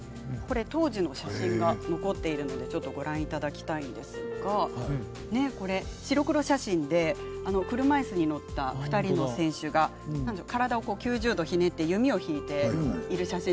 当時の写真が残っているのでご覧いただきたいんですが白黒写真で車いすに乗った２人の選手が体を９０度ひねって弓を引いている写真ですね。